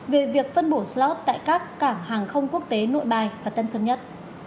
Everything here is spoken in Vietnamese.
về việc phân bổ slot tại các cảng hàng không quốc tế nội bài và tân sơn nhất